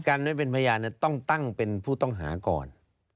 กันไว้เป็นพยานต้องตั้งเป็นผู้ต้องหาก่อน